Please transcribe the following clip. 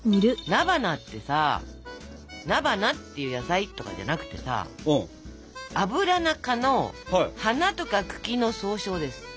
菜花ってさ菜花っていう野菜とかじゃなくてさアブラナ科の花とか茎の総称です。